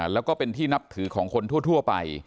แล้วก็เป็นที่นับถือของคนทั่วไป